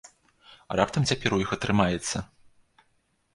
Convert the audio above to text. А раптам цяпер у іх атрымаецца?